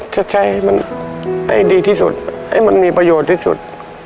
จะใช้ให้มันให้ดีที่สุดให้มันมีประโยชน์ที่สุด